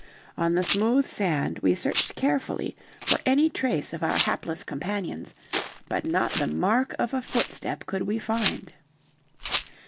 On the smooth sand we searched carefully for any trace of our hapless companions, but not the mark of a footstep could we find.